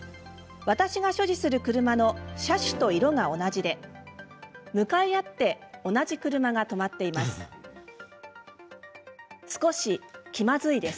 私が所持する車の車種と色が同じで向かい合って同じ車が止まっています。